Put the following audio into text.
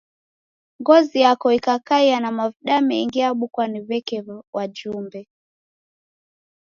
Ngozi yako ikakaia na mavuda mengi yabukwa ni w'eke wajumbe.